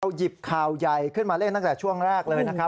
หยิบข่าวใหญ่ขึ้นมาเล่นตั้งแต่ช่วงแรกเลยนะครับ